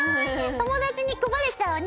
友達に配れちゃうね。